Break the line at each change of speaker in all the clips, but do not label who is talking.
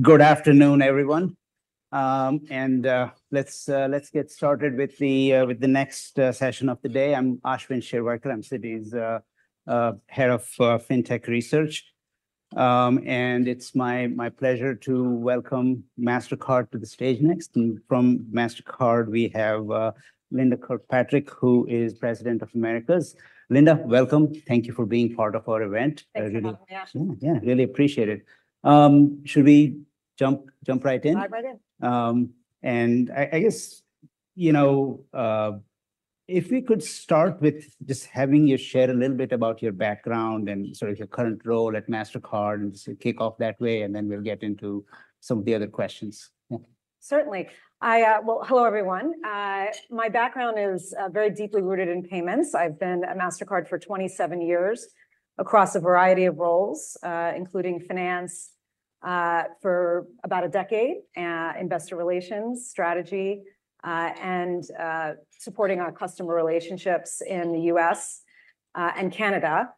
Good afternoon, everyone, and let's get started with the next session of the day. I'm Ashwin Shirvaikar. I'm Citi's Head of Fintech Research, and it's my pleasure to welcome Mastercard to the stage next. And from Mastercard, we have Linda Kirkpatrick, who is President, Americas. Linda, welcome. Thank you for being part of our event.
Thanks for having me, Ashwin.
Yeah, really appreciate it. Should we jump right in?
Dive right in.
And I guess, you know, if we could start with just having you share a little bit about your background and sort of your current role at Mastercard, and just kick off that way, and then we'll get into some of the other questions.
Certainly. Well, hello, everyone. My background is very deeply rooted in payments. I've been at Mastercard for 27 years across a variety of roles, including finance for about a decade, investor relations, strategy, and supporting our customer relationships in the U.S. and Canada.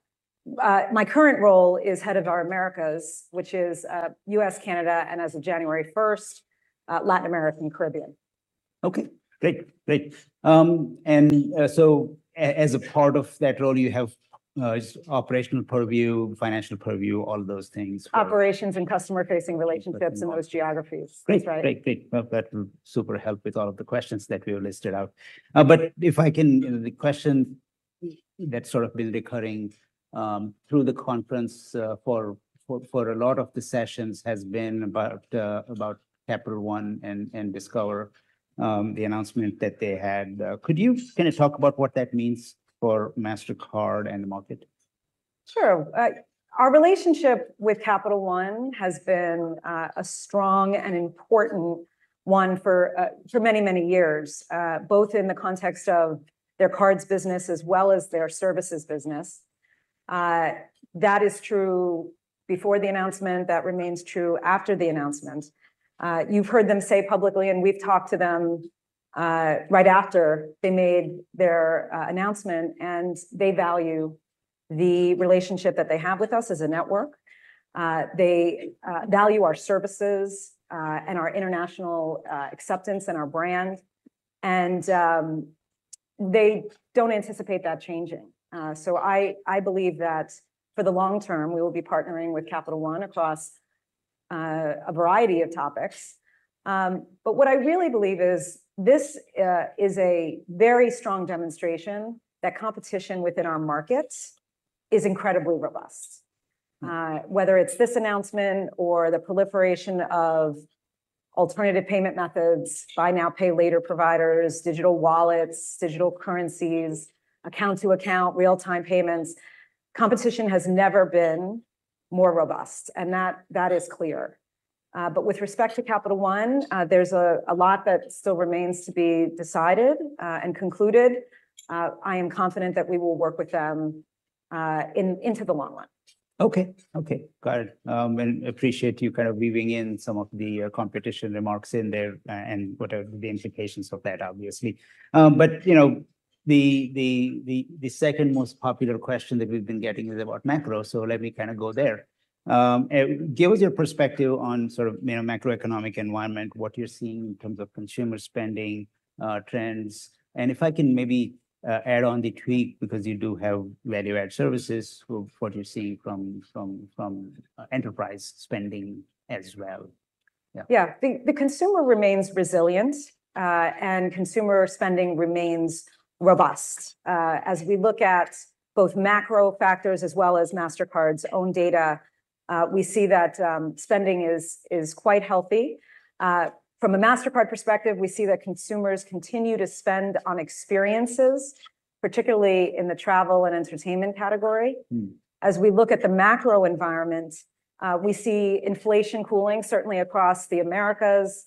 My current role is head of our Americas, which is U.S., Canada, and as of January 1st, Latin America and Caribbean.
Okay. Great, great. And as a part of that role, you have operational purview, financial purview, all those things.
Operations and customer-facing relationships in those geographies.
Great.
That's right.
Great, great. Well, that will super help with all of the questions that we have listed out. But if I can, the question that's sort of been recurring through the conference for a lot of the sessions has been about Capital One and Discover, the announcement that they had. Could you kind of talk about what that means for Mastercard and the market?
Sure. Our relationship with Capital One has been a strong and important one for many, many years, both in the context of their cards business as well as their services business. That is true before the announcement, that remains true after the announcement. You've heard them say publicly, and we've talked to them right after they made their announcement, and they value the relationship that they have with us as a network. They value our services and our international acceptance and our brand, and they don't anticipate that changing. So I believe that for the long term, we will be partnering with Capital One across a variety of topics. But what I really believe is this is a very strong demonstration that competition within our markets is incredibly robust.
Mm.
Whether it's this announcement or the proliferation of alternative payment methods, buy now, pay later providers, digital wallets, digital currencies, account-to-account, real-time payments, competition has never been more robust, and that, that is clear. But with respect to Capital One, there's a lot that still remains to be decided, and concluded. I am confident that we will work with them into the long run.
Okay, okay. Got it. And appreciate you kind of weaving in some of the competition remarks in there, and what are the implications of that, obviously. But, you know, the second most popular question that we've been getting is about macro, so let me kind of go there. Give us your perspective on sort of, you know, macroeconomic environment, what you're seeing in terms of consumer spending trends, and if I can maybe add on the tweak, because you do have value-add services, of what you see from enterprise spending as well. Yeah.
Yeah. The consumer remains resilient, and consumer spending remains robust. As we look at both macro factors as well as Mastercard's own data, we see that spending is quite healthy. From a Mastercard perspective, we see that consumers continue to spend on experiences, particularly in the travel and entertainment category.
Mm.
As we look at the macro environment, we see inflation cooling, certainly across the Americas.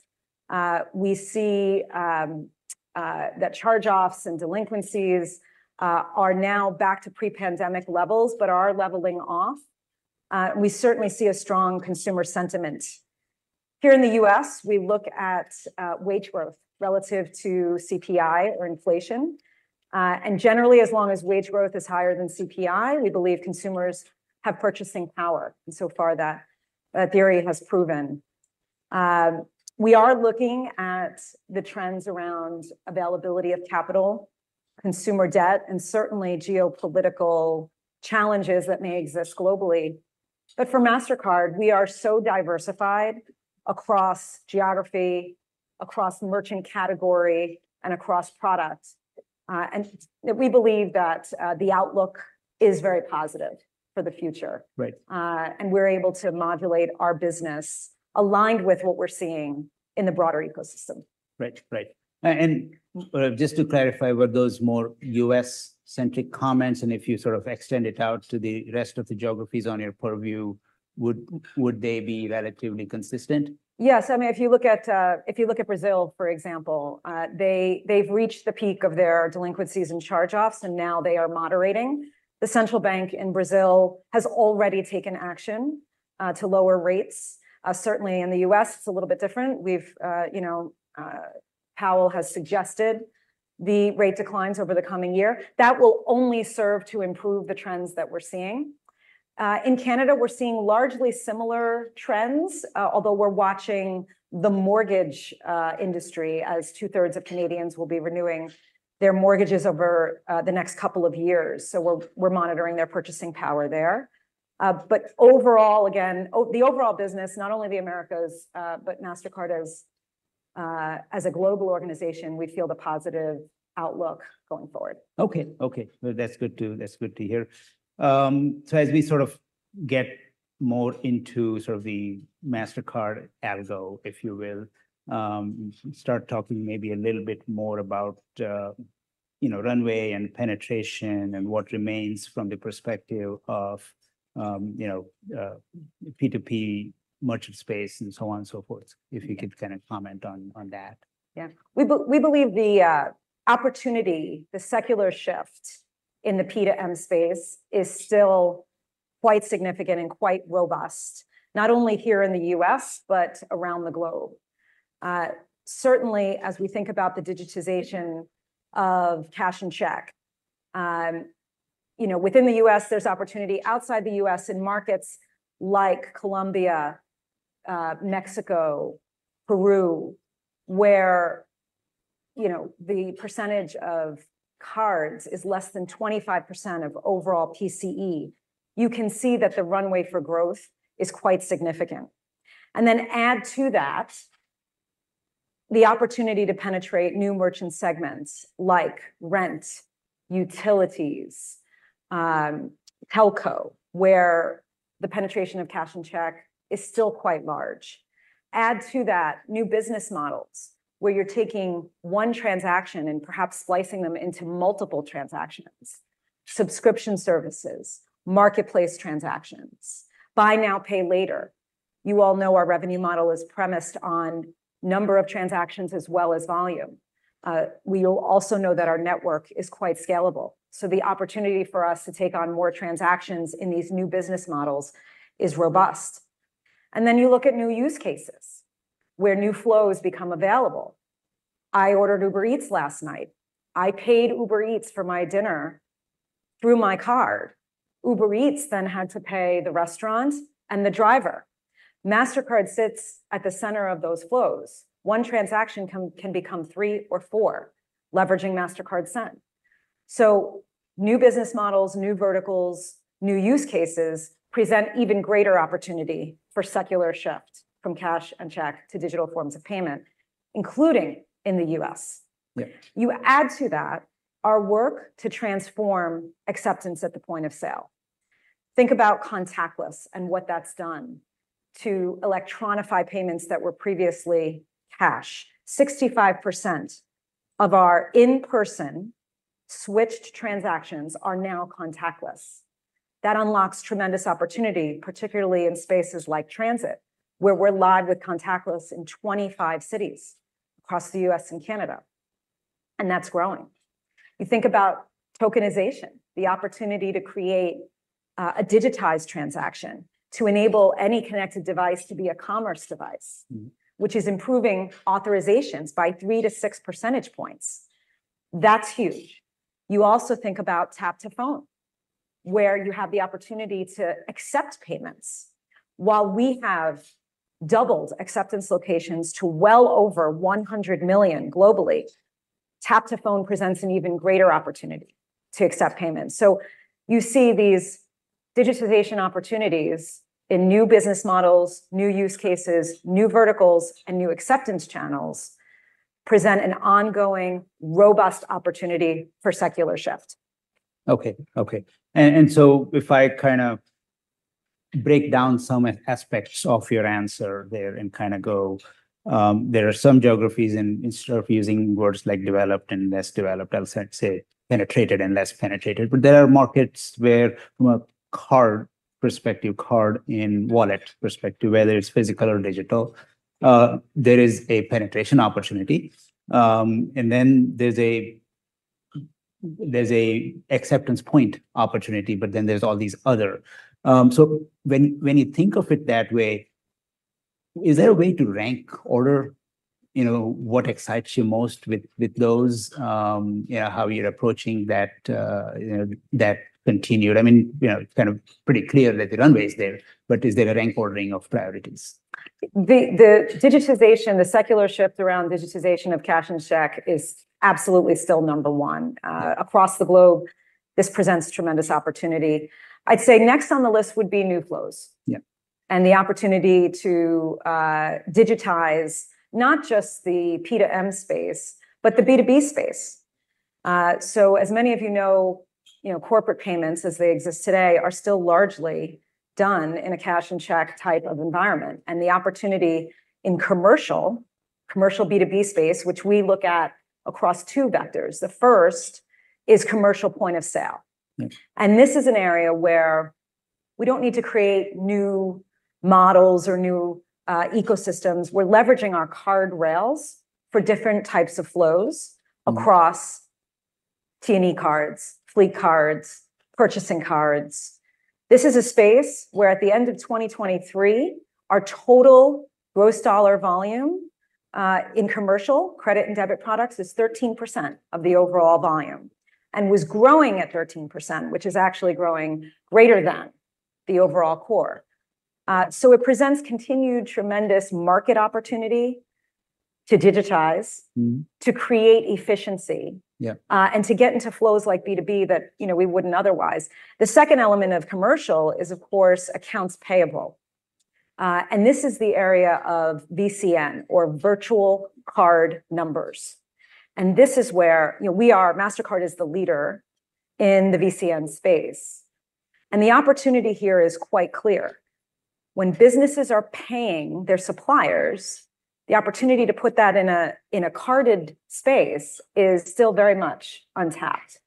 We see that charge-offs and delinquencies are now back to pre-pandemic levels but are leveling off. We certainly see a strong consumer sentiment. Here in the U.S., we look at wage growth relative to CPI or inflation, and generally, as long as wage growth is higher than CPI, we believe consumers have purchasing power, and so far, that theory has proven. We are looking at the trends around availability of capital, consumer debt, and certainly geopolitical challenges that may exist globally. But for Mastercard, we are so diversified across geography, across merchant category, and across products, and we believe that the outlook is very positive for the future.
Right.
We're able to modulate our business aligned with what we're seeing in the broader ecosystem.
Right. Right, and just to clarify, were those more U.S.-centric comments, and if you sort of extend it out to the rest of the geographies on your purview, would they be relatively consistent?
Yes. I mean, if you look at, if you look at Brazil, for example, they, they've reached the peak of their delinquencies and charge-offs, and now they are moderating. The central bank in Brazil has already taken action, to lower rates. Certainly in the U.S., it's a little bit different. We've, you know, Powell has suggested the rate declines over the coming year, that will only serve to improve the trends that we're seeing. In Canada, we're seeing largely similar trends, although we're watching the mortgage, industry, as 2/3 of Canadians will be renewing their mortgages over, the next couple of years. So we're, we're monitoring their purchasing power there. But overall, again, the overall business, not only the Americas, but Mastercard as, as a global organization, we feel the positive outlook going forward.
Okay. Okay, well, that's good to, that's good to hear. So as we sort of get more into sort of the Mastercard algo, if you will, start talking maybe a little bit more about, you know, runway and penetration and what remains from the perspective of, you know, P2P merchant space, and so on and so forth, if you could kind of comment on, on that.
Yeah. We believe the opportunity, the secular shift in the P2M space is still quite significant and quite robust, not only here in the U.S., but around the globe. Certainly, as we think about the digitization of cash and check, you know, within the U.S., there's opportunity. Outside the U.S., in markets like Colombia, Mexico, Peru, where, you know, the percentage of cards is less than 25% of overall PCE, you can see that the runway for growth is quite significant. And then add to that the opportunity to penetrate new merchant segments like rent, utilities, telco, where the penetration of cash and check is still quite large. Add to that new business models, where you're taking one transaction and perhaps slicing them into multiple transactions, subscription services, marketplace transactions, buy now, pay later. You all know our revenue model is premised on number of transactions as well as volume. We also know that our network is quite scalable, so the opportunity for us to take on more transactions in these new business models is robust. And then you look at new use cases, where new flows become available. I ordered Uber Eats last night. I paid Uber Eats for my dinner through my card. Uber Eats then had to pay the restaurant and the driver. Mastercard sits at the center of those flows. One transaction can become three or four, leveraging Mastercard Send. So new business models, new verticals, new use cases present even greater opportunity for secular shift from cash and check to digital forms of payment, including in the U.S.
Yeah.
You add to that our work to transform acceptance at the point of sale. Think about contactless and what that's done to electronify payments that were previously cash. 65% of our in-person switched transactions are now contactless. That unlocks tremendous opportunity, particularly in spaces like transit, where we're live with contactless in 25 cities across the U.S. and Canada, and that's growing. You think about tokenization, the opportunity to create a digitized transaction to enable any connected device to be a commerce device-
Mm-hmm.
-which is improving authorizations by 3-6 percentage points. That's huge. You also think about Tap-to-Phone, where you have the opportunity to accept payments. While we have doubled acceptance locations to well over 100 million globally, Tap-to-Phone presents an even greater opportunity to accept payments. So you see these digitization opportunities in new business models, new use cases, new verticals, and new acceptance channels present an ongoing, robust opportunity for secular shift.
Okay, and so if I kind of break down some aspects of your answer there and kind of go, there are some geographies, and instead of using words like developed and less developed, I'll say, penetrated and less penetrated. But there are markets where from a card perspective, card and wallet perspective, whether it's physical or digital, there is a penetration opportunity. And then there's an acceptance point opportunity, but then there's all these other... So when you think of it that way, is there a way to rank order, you know, what excites you most with those? You know, how you're approaching that, you know, that continued... I mean, you know, it's kind of pretty clear that the runway is there, but is there a rank ordering of priorities?
The digitization, the secular shift around digitization of cash and check is absolutely still number one. Across the globe, this presents tremendous opportunity. I'd say next on the list would be new flows-
Yeah...
and the opportunity to, digitize not just the P2M space, but the B2B space. So as many of you know, you know, corporate payments, as they exist today, are still largely done in a cash and check type of environment, and the opportunity in commercial, commercial B2B space, which we look at across two vectors. The first is commercial point of sale.
Mm.
This is an area where we don't need to create new models or new ecosystems. We're leveraging our card rails for different types of flows-
Mm-hmm
T&E cards, fleet cards, purchasing cards. This is a space where at the end of 2023, our total gross dollar volume in commercial credit and debit products is 13% of the overall volume, and was growing at 13%, which is actually growing greater than the overall core. So it presents continued tremendous market opportunity to digitize-
Mm-hmm.
to create efficiency
Yeah.
and to get into flows like B2B that, you know, we wouldn't otherwise. The second element of commercial is, of course, accounts payable. and this is the area of VCN, or virtual card numbers, and this is where, you know, we are, Mastercard is the leader in the VCN space, and the opportunity here is quite clear. When businesses are paying their suppliers, the opportunity to put that in a, in a carded space is still very much untapped.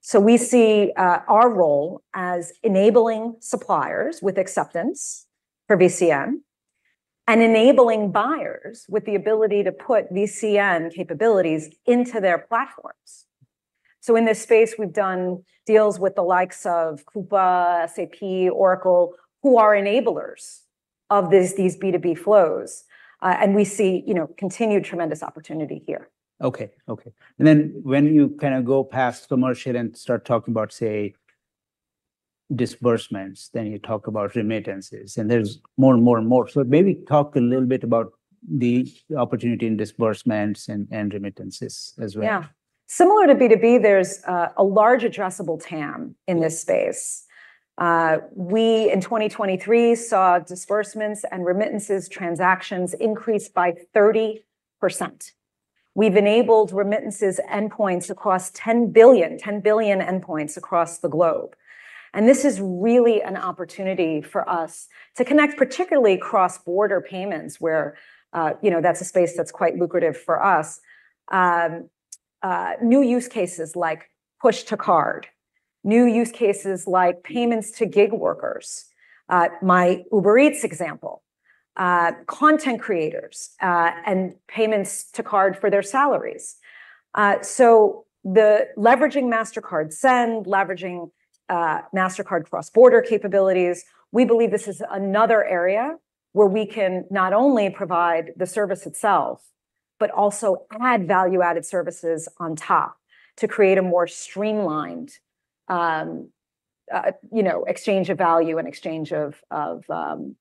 So we see our role as enabling suppliers with acceptance for VCN and enabling buyers with the ability to put VCN capabilities into their platforms. So in this space, we've done deals with the likes of Coupa, SAP, Oracle, who are enablers of this, these B2B flows. and we see, you know, continued tremendous opportunity here.
Okay. Okay. And then when you kind of go past commercial and start talking about, say, disbursements, then you talk about remittances, and there's more and more and more. So maybe talk a little bit about the opportunity in disbursements and remittances as well.
Yeah. Similar to B2B, there's a large addressable TAM in this space.
Yeah.
We, in 2023, saw disbursements and remittances transactions increase by 30%. We've enabled remittances endpoints across 10 billion, 10 billion endpoints across the globe, and this is really an opportunity for us to connect, particularly cross-border payments, where, you know, that's a space that's quite lucrative for us. New use cases like push to card, new use cases like payments to gig workers, my Uber Eats example, content creators, and payments to card for their salaries. So the leveraging Mastercard Send, leveraging, Mastercard cross-border capabilities, we believe this is another area where we can not only provide the service itself, but also add value-added services on top to create a more streamlined, you know, exchange of value and exchange of, of,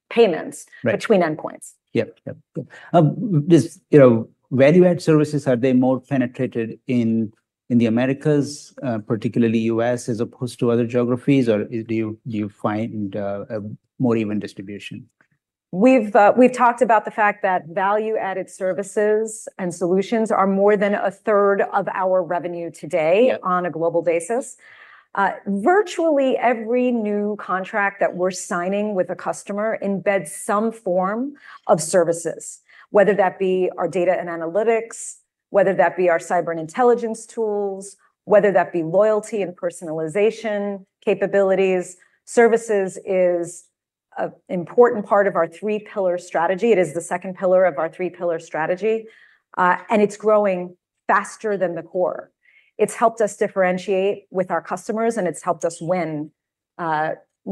payments-
Right.
-between endpoints.
Yep. Yep. Does, you know, value-add services, are they more penetrated in the Americas, particularly U.S., as opposed to other geographies, or do you find a more even distribution?
We've, we've talked about the fact that value-added services and solutions are more than 1/3 of our revenue today-
Yeah...
on a global basis. Virtually every new contract that we're signing with a customer embeds some form of services, whether that be our data and analytics, whether that be our cyber intelligence tools, whether that be loyalty and personalization capabilities. Services is a important part of our three-pillar strategy. It is the second pillar of our three-pillar strategy, and it's growing faster than the core. It's helped us differentiate with our customers, and it's helped us win,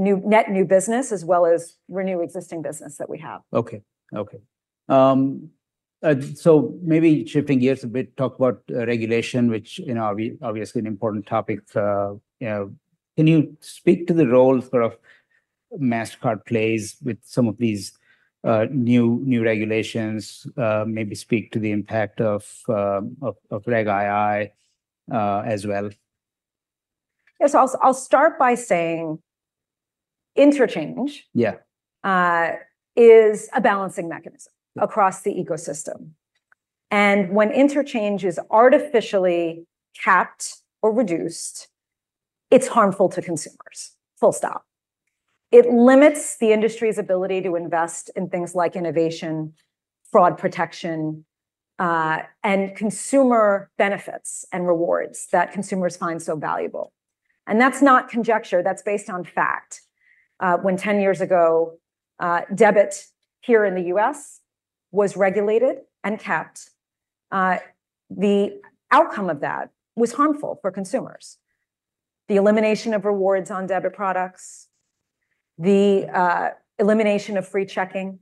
new, net new business, as well as renew existing business that we have.
Okay, okay. So maybe shifting gears a bit, talk about regulation, which, you know, obviously an important topic. You know, can you speak to the role sort of Mastercard plays with some of these new regulations, maybe speak to the impact of Reg II, as well?
Yes, I'll start by saying interchange-
Yeah...
is a balancing mechanism across the ecosystem, and when interchange is artificially capped or reduced, it's harmful to consumers, full stop. It limits the industry's ability to invest in things like innovation, fraud protection, and consumer benefits and rewards that consumers find so valuable, and that's not conjecture. That's based on fact. When 10 years ago, debit here in the U.S. was regulated and capped, the outcome of that was harmful for consumers. The elimination of rewards on debit products, the elimination of free checking,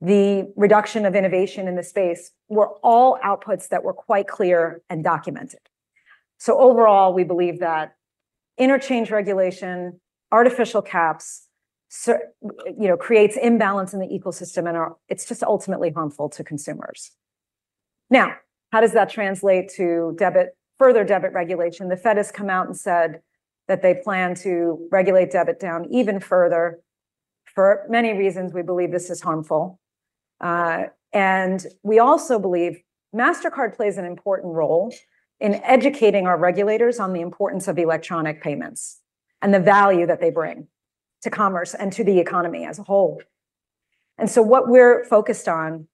the reduction of innovation in the space were all outputs that were quite clear and documented. So overall, we believe that interchange regulation, artificial caps, you know, creates imbalance in the ecosystem, and, it's just ultimately harmful to consumers. Now, how does that translate to debit, further debit regulation? The Fed has come out and said that they plan to regulate debit down even further. For many reasons, we believe this is harmful. And we also believe Mastercard plays an important role in educating our regulators on the importance of electronic payments and the value that they bring to commerce and to the economy as a whole. And so what we're focused on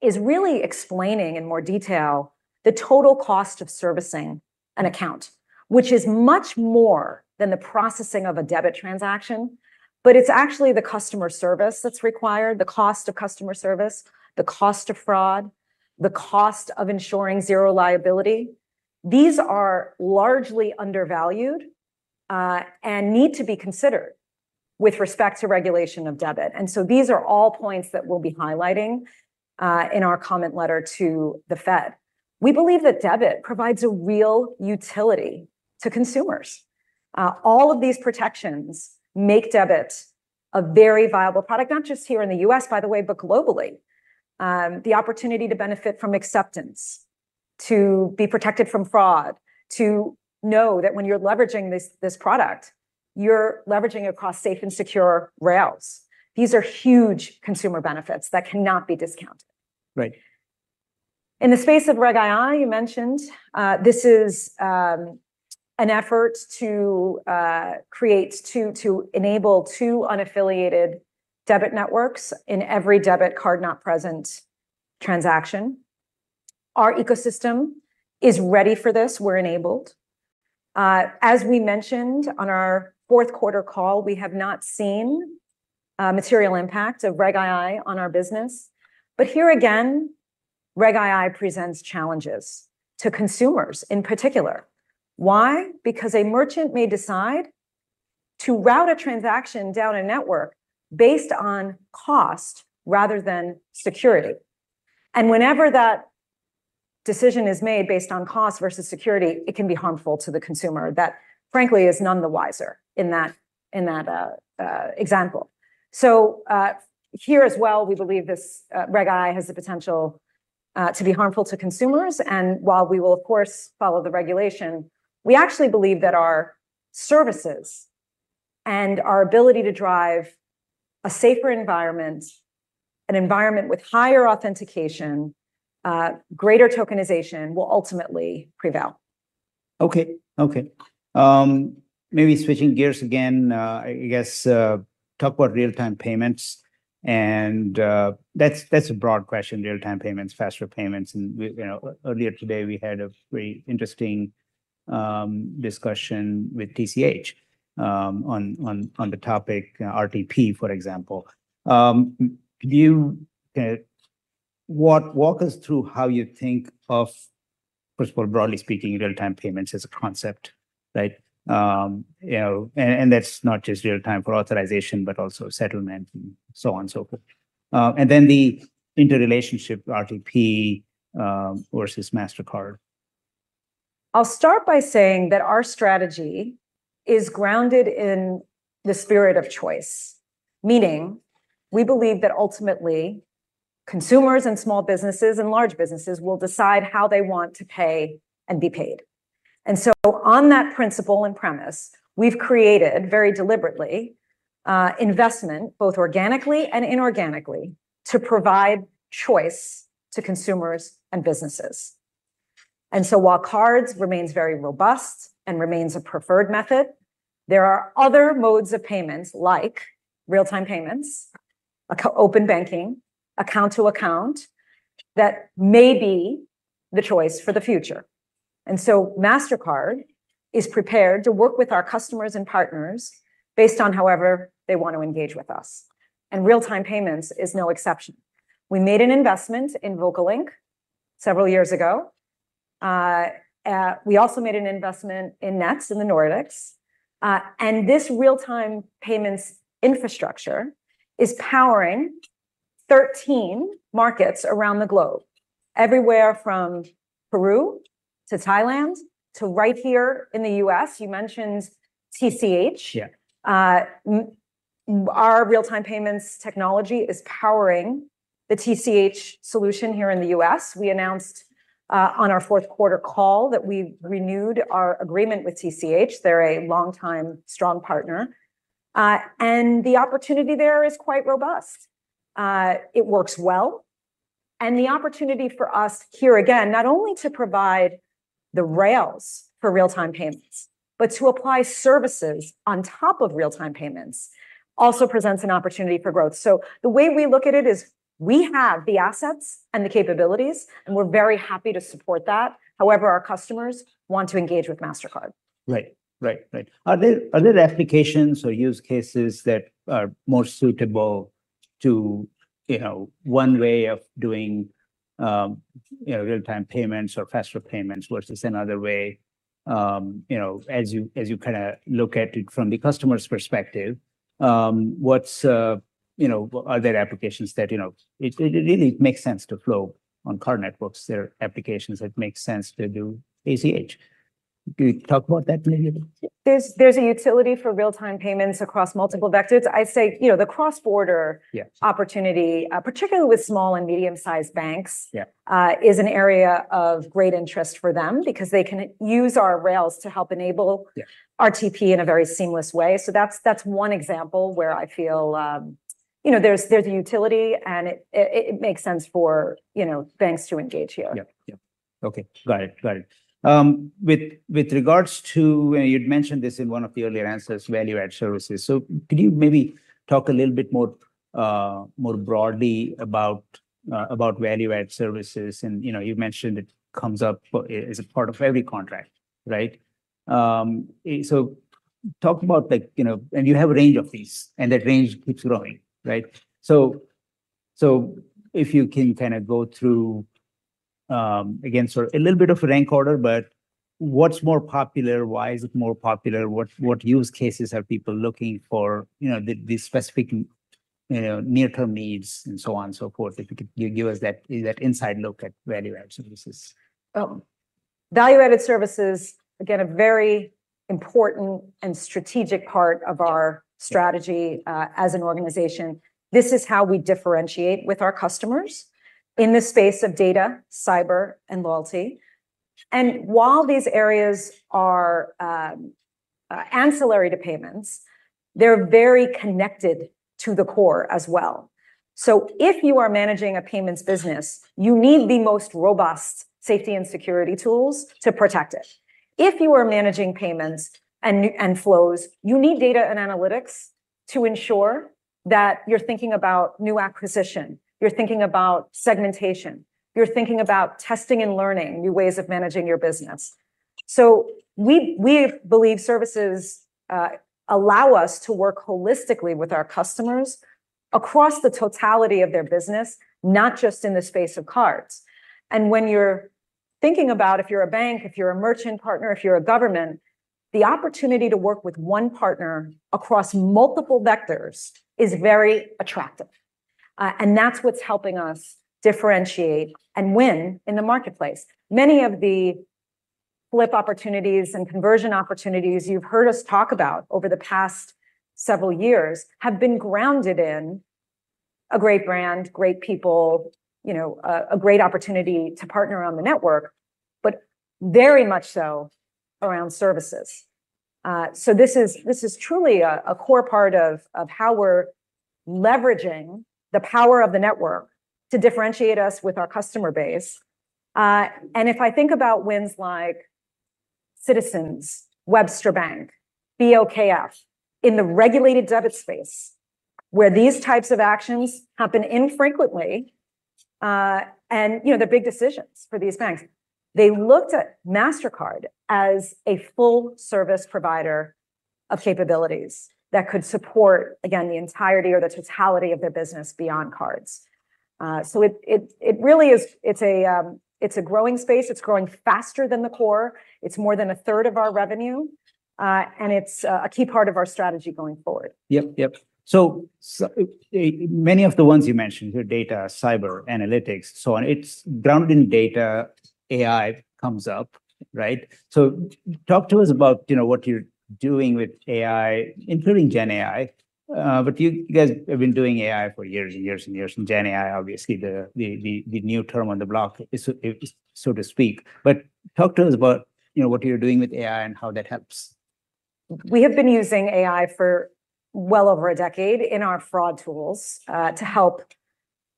is really explaining in more detail the total cost of servicing an account, which is much more than the processing of a debit transaction, but it's actually the customer service that's required, the cost of customer service, the cost of fraud, the cost of ensuring Zero Liability. These are largely undervalued, and need to be considered with respect to regulation of debit. And so these are all points that we'll be highlighting in our comment letter to the Fed. We believe that debit provides a real utility to consumers. All of these protections make debit a very viable product, not just here in the U.S., by the way, but globally. The opportunity to benefit from acceptance, to be protected from fraud, to know that when you're leveraging this, this product, you're leveraging across safe and secure rails. These are huge consumer benefits that cannot be discounted.
Right.
In the space of Reg II, you mentioned, this is an effort to enable two unaffiliated debit networks in every debit card not present transaction. Our ecosystem is ready for this. We're enabled. As we mentioned on our fourth quarter call, we have not seen a material impact of Reg II on our business. But here again, Reg II presents challenges to consumers in particular. Why? Because a merchant may decide to route a transaction down a network based on cost rather than security, and whenever that decision is made based on cost versus security, it can be harmful to the consumer that, frankly, is none the wiser in that example. So, here as well, we believe this, Reg II has the potential to be harmful to consumers, and while we will, of course, follow the regulation, we actually believe that our services and our ability to drive a safer environment, an environment with higher authentication, greater tokenization, will ultimately prevail.
Okay. Maybe switching gears again, I guess, talk about real-time payments, and, that's, that's a broad question, real-time payments, faster payments, and we, you know, earlier today, we had a very interesting discussion with TCH, on, on, on the topic, RTP, for example. Could you walk us through how you think of, first of all, broadly speaking, real-time payments as a concept, right? You know, and, and that's not just real-time for authorization, but also settlement, and so on and so forth. And then the interrelationship, RTP, versus Mastercard.
I'll start by saying that our strategy is grounded in the spirit of choice, meaning we believe that ultimately, consumers and small businesses and large businesses will decide how they want to pay and be paid. And so on that principle and premise, we've created, very deliberately, investment, both organically and inorganically, to provide choice to consumers and businesses. And so while cards remains very robust and remains a preferred method, there are other modes of payments, like real-time payments, open banking, account to account, that may be the choice for the future. And so Mastercard is prepared to work with our customers and partners based on however they want to engage with us, and real-time payments is no exception. We made an investment in VocaLink several years ago. We also made an investment in Nets, in the Nordics, and this real-time payments infrastructure is powering 13 markets around the globe, everywhere from Peru to Thailand to right here in the U.S. You mentioned TCH.
Yeah.
Our real-time payments technology is powering the TCH solution here in the U.S. We announced, on our fourth quarter call that we renewed our agreement with TCH. They're a longtime, strong partner. The opportunity there is quite robust. It works well, and the opportunity for us here, again, not only to provide the rails for real-time payments, but to apply services on top of real-time payments, also presents an opportunity for growth. So the way we look at it is we have the assets and the capabilities, and we're very happy to support that, however our customers want to engage with Mastercard.
Right. Right, right. Are there, are there applications or use cases that are more suitable to, you know, one way of doing, you know, real-time payments or faster payments versus another way? You know, as you, as you kinda look at it from the customer's perspective, what's, you know, are there applications that, you know... It, it really makes sense to flow on card networks. There are applications that make sense to do ACH. Can you talk about that maybe a little?
There's a utility for real-time payments across multiple vectors. I'd say, you know, the cross-border-
Yeah...
opportunity, particularly with small and medium-sized banks-
Yeah...
is an area of great interest for them because they can use our rails to help enable-
Yeah...
RTP in a very seamless way. So that's one example where I feel, you know, there's a utility, and it makes sense for, you know, banks to engage here.
Yeah. Yeah. Okay, got it. Got it. With regards to, and you'd mentioned this in one of the earlier answers, value-add services, so could you maybe talk a little bit more, more broadly about, about value-add services? And, you know, you mentioned it comes up as a part of every contract, right? So talk about like, you know, and you have a range of these, and that range keeps growing, right? So, if you can kind of go through again, so a little bit of a rank order, but what's more popular? Why is it more popular? What use cases are people looking for, you know, the specific, you know, near-term needs and so on and so forth? If you could give us that inside look at value-added services.
Value-added services, again, a very important and strategic part of our strategy, as an organization. This is how we differentiate with our customers in the space of data, cyber, and loyalty. And while these areas are ancillary to payments, they're very connected to the core as well. So if you are managing a payments business, you need the most robust safety and security tools to protect it. If you are managing payments and flows, you need data and analytics to ensure that you're thinking about new acquisition, you're thinking about segmentation, you're thinking about testing and learning new ways of managing your business. So we believe services allow us to work holistically with our customers across the totality of their business, not just in the space of cards. When you're thinking about if you're a bank, if you're a merchant partner, if you're a government, the opportunity to work with one partner across multiple vectors is very attractive. And that's what's helping us differentiate and win in the marketplace. Many of the flip opportunities and conversion opportunities you've heard us talk about over the past several years have been grounded in a great brand, great people, you know, a great opportunity to partner on the network, but very much so around services. So this is truly a core part of how we're leveraging the power of the network to differentiate us with our customer base. And if I think about wins like Citizens, Webster Bank, BOKF, in the regulated debit space, where these types of actions happen infrequently, and, you know, they're big decisions for these banks. They looked at Mastercard as a full-service provider of capabilities that could support, again, the entirety or the totality of their business beyond cards. So it really is. It's a growing space. It's growing faster than the core. It's more than 1/3 of our revenue, and it's a key part of our strategy going forward.
Yep, yep. So many of the ones you mentioned, your data, cyber, analytics, so on, it's grounded in data. AI comes up, right? So talk to us about, you know, what you're doing with AI, including GenAI. But you guys have been doing AI for years and years and years, and GenAI, obviously, the new term on the block, so to speak. But talk to us about, you know, what you're doing with AI and how that helps.
We have been using AI for well over a decade in our fraud tools to help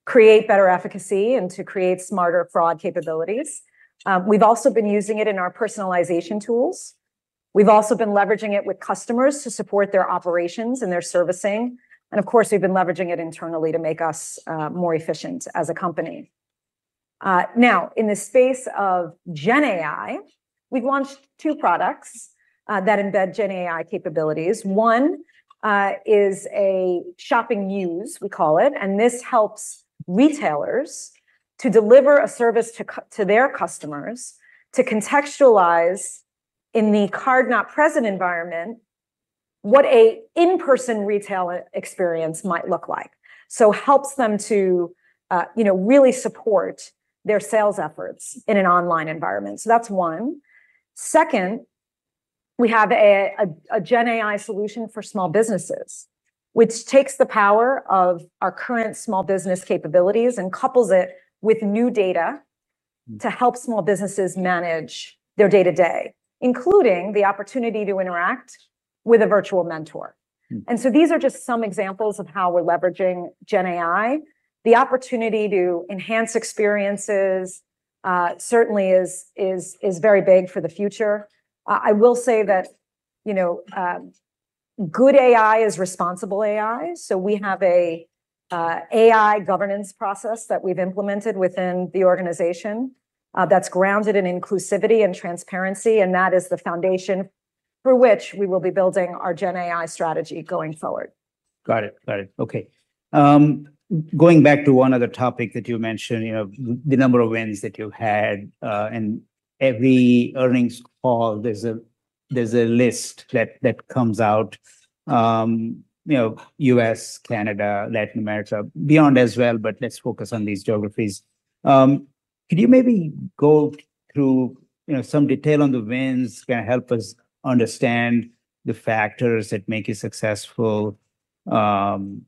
create better efficacy and to create smarter fraud capabilities. We've also been using it in our personalization tools. We've also been leveraging it with customers to support their operations and their servicing, and of course, we've been leveraging it internally to make us more efficient as a company. Now, in the space of GenAI, we've launched two products that embed GenAI capabilities. One is Shopping Muse, we call it, and this helps retailers to deliver a service to their customers to contextualize, in the card-not-present environment, what an in-person retail experience might look like. So helps them to, you know, really support their sales efforts in an online environment. So that's one. Second, we have a GenAI solution for small businesses, which takes the power of our current small business capabilities and couples it with new data-
Mm...
to help small businesses manage their day-to-day, including the opportunity to interact with a virtual mentor.
Mm.
These are just some examples of how we're leveraging GenAI. The opportunity to enhance experiences certainly is very big for the future. I will say that, you know, good AI is responsible AI, so we have an AI governance process that we've implemented within the organization, that's grounded in inclusivity and transparency, and that is the foundation through which we will be building our GenAI strategy going forward.
Got it, got it. Okay. Going back to one other topic that you mentioned, you know, the number of wins that you've had, and every earnings call, there's a list that comes out, you know, U.S., Canada, Latin America, beyond as well, but let's focus on these geographies. Could you maybe go through, you know, some detail on the wins, kinda help us understand the factors that make you successful, and,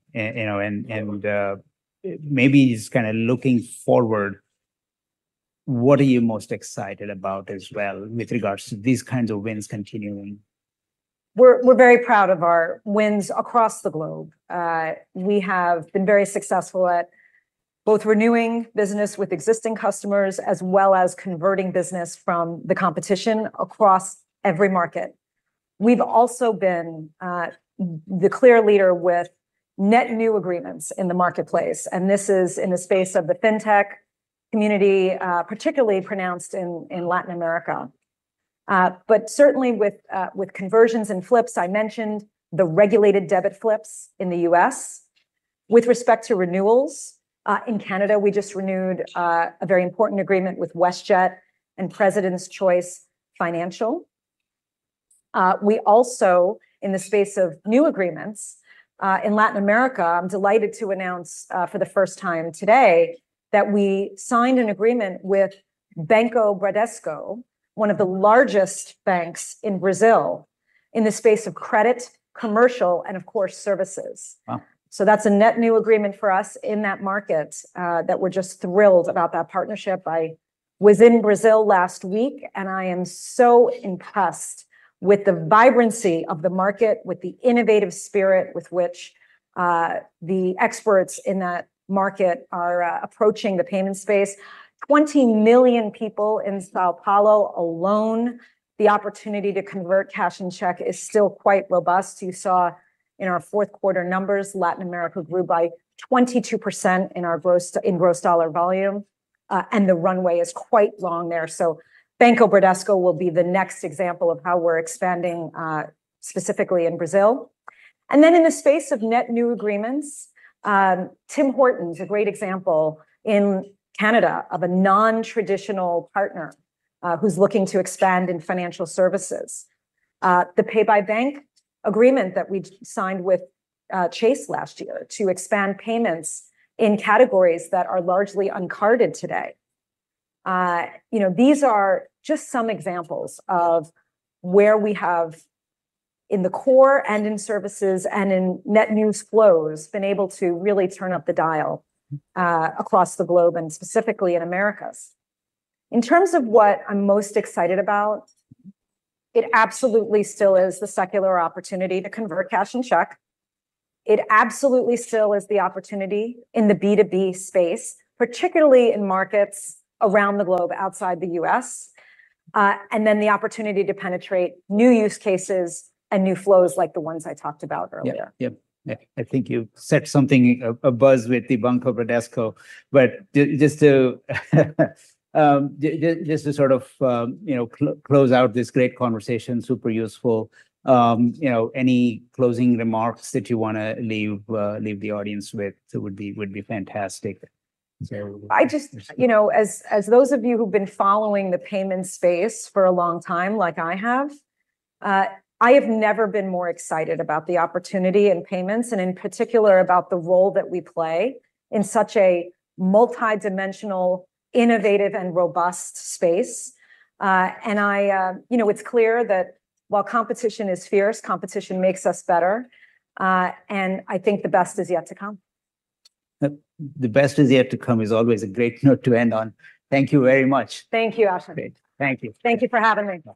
maybe just kinda looking forward, what are you most excited about as well with regards to these kinds of wins continuing?
We're very proud of our wins across the globe. We have been very successful at both renewing business with existing customers, as well as converting business from the competition across every market. We've also been the clear leader with net new agreements in the marketplace, and this is in the space of the fintech community, particularly pronounced in Latin America. But certainly with conversions and flips, I mentioned the regulated debit flips in the U.S. With respect to renewals, in Canada, we just renewed a very important agreement with WestJet and President's Choice Financial. We also, in the space of new agreements, in Latin America, I'm delighted to announce, for the first time today, that we signed an agreement with Banco Bradesco, one of the largest banks in Brazil, in the space of credit, commercial, and of course, services.
Wow!
So that's a net new agreement for us in that market that we're just thrilled about that partnership. I was in Brazil last week, and I am so impressed with the vibrancy of the market, with the innovative spirit with which the experts in that market are approaching the payment space. 20 million people in São Paulo alone, the opportunity to convert cash and check is still quite robust. You saw in our fourth quarter numbers, Latin America grew by 22% in our gross, in gross dollar volume. And the runway is quite long there. So Banco Bradesco will be the next example of how we're expanding specifically in Brazil. And then in the space of net new agreements, Tim Hortons a great example in Canada of a non-traditional partner who's looking to expand in financial services. The pay-by-bank agreement that we signed with Chase last year to expand payments in categories that are largely uncarded today. You know, these are just some examples of where we have, in the core and in services and in net new flows, been able to really turn up the dial, across the globe and specifically in Americas. In terms of what I'm most excited about, it absolutely still is the secular opportunity to convert cash and check. It absolutely still is the opportunity in the B2B space, particularly in markets around the globe, outside the U.S. And then the opportunity to penetrate new use cases and new flows like the ones I talked about earlier.
Yep. Yep. I think you've set something abuzz with the Banco Bradesco, but just to sort of, you know, close out this great conversation, super useful, you know, any closing remarks that you wanna leave, leave the audience with, it would be, would be fantastic. So-
I just, you know, as those of you who've been following the payment space for a long time, like I have, I have never been more excited about the opportunity in payments, and in particular about the role that we play in such a multidimensional, innovative, and robust space. And I, you know, it's clear that while competition is fierce, competition makes us better. And I think the best is yet to come.
The best is yet to come is always a great note to end on. Thank you very much.
Thank you, Ashwin.
Great. Thank you.
Thank you for having me.